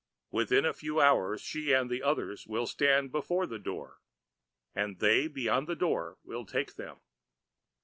Within a few hours she and many others shall stand before the Door, and They Beyond the Door shall take them."